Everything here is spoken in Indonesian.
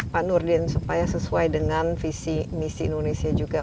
pak nurdin supaya sesuai dengan visi misi indonesia juga